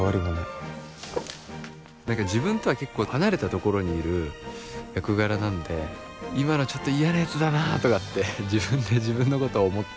何か自分とは結構離れたところにいる役柄なんで今のちょっと嫌なやつだなとかって自分で自分のことを思ったり。